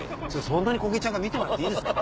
そんなにこげ茶か見てもらっていいですか？